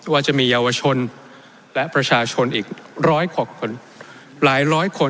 ว่าจะมีเยาวชนและประชาชนอีกร้อยกว่าคนหลายร้อยคน